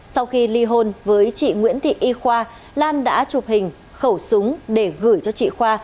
sau khi ly hôn với chị nguyễn thị y khoa lan đã chụp hình khẩu súng để gửi cho chị khoa